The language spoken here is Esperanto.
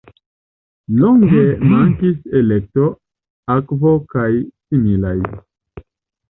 Longe mankis elekto, akvo kaj similaj.